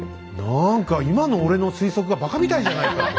なんか今の俺の推測がばかみたいじゃないか。